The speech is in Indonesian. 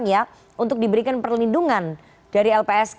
ya untuk diberikan perlindungan dari lpsk